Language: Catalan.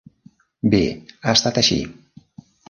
Bé, ha estat així.